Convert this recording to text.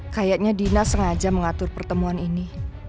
kayaknya dina sengaja mengatur pertemuan ini